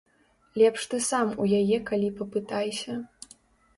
Лепш ты сам у яе калі папытайся.